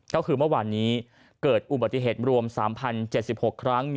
ก็คือเมื่อวานนี้เกิดอุบัติเหตุรวม๓๐๗๖ครั้ง